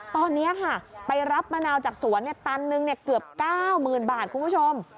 ตอนนี้ไปรับมะนาวจากสวนตันหนึ่งเกือบเก้าหมื่นบาทคุณผู้ชม